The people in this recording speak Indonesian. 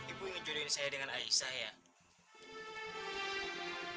ibu ingin jodohin saya dengan aisyah ya